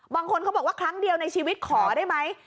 บางคนเขาบอกว่าครั้งเดียวในชีวิตขอได้ไหม